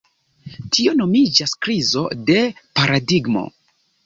Tio nomiĝas "krizo de paradigmo".